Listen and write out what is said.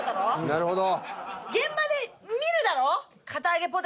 なるほど。